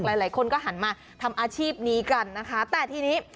หลายคนก็หันมาทำอาชีพนี้กันนะคะแต่ทีนี้